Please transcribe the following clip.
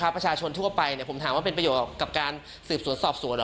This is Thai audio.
ประชาชนทั่วไปผมถามว่าเป็นประโยชน์กับการสืบสวนสอบสวนเหรอ